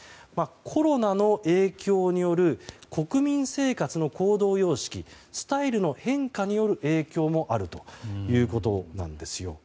コロナの影響による国民生活の行動様式スタイルの変化による影響もあるということなんですよ。